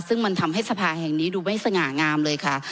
ซึ่งมันทำให้สภาแห่งนี้ดูไม่สง่างามเลยค่ะ